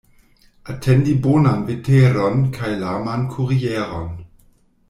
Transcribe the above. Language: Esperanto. Atendi bonan veteron kaj laman kurieron.